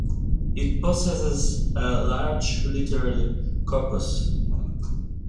It possesses a large literary corpus.